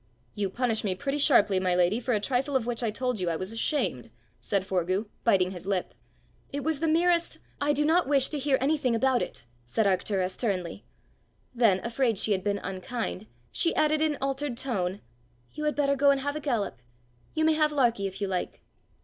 "You punish me pretty sharply, my lady, for a trifle of which I told you I was ashamed!" said Forgue, biting his lip. "It was the merest " "I do not wish to hear anything about it!" said Arctura sternly. Then, afraid she had been unkind, she added in altered tone: "You had better go and have a gallop. You may have Larkie if you like."